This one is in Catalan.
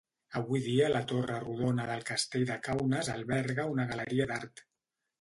Avui dia la torre rodona del castell de Kaunas alberga una galeria d'art.